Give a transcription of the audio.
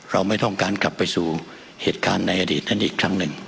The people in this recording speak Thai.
เราไม่ต้องการกลับไปสู่เหตุการณ์ในอดีตนั้นอีกครั้งหนึ่ง